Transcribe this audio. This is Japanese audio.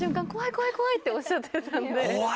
怖い怖いっておっしゃってたので。